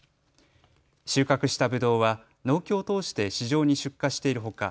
収穫したぶどうは農協を通して市場に出荷しているほか